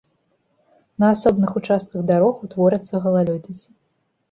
На асобных участках дарог утворыцца галалёдзіца.